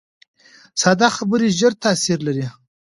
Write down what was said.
ساده خبرې ژور تاثیر لري